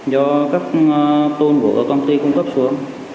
do các tôn của công ty cung cấp xuống